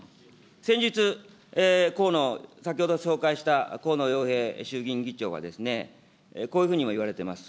先日、河野、先ほど紹介した河野洋平衆議院議長がですね、こういうふうにも言われています。